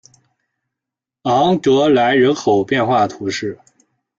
昂格莱人口变化图示